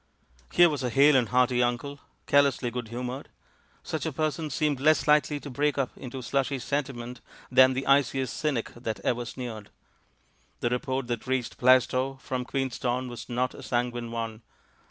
Here was a hale and hearty uncle, carelessly good humoured. Such a person seemed less likely to break up into slushy senti ment than the iciest cynic that ever sneered. The report that reached Plaistow from Queenstown was not a sanguine one.